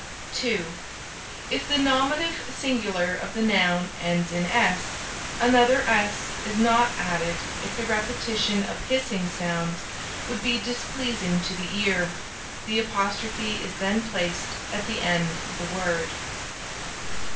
(2) If the nominative singular of the noun ends in "s," another "s" is not added if the repetition of hissing sounds would be displeasing to the ear. The apostrophe is then placed at the end of the word.